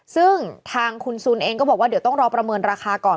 ซึ่งทางคุณซูนเองก็บอกว่าเดี๋ยวต้องรอประเมินราคาก่อน